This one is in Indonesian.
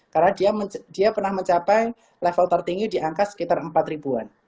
karena dia pernah mencapai level tertinggi di angka sekitar rp empat an